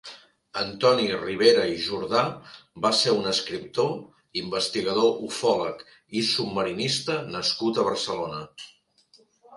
Antoni Ribera i Jordà va ser un escriptor, investigador ufòleg i submarinista nascut a Barcelona.